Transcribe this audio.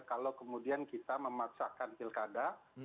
kalau kemudian kita memaksakan pilkada